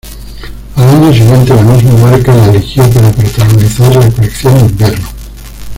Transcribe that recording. Al año siguiente la misma marca la eligió para protagonizar la colección de invierno.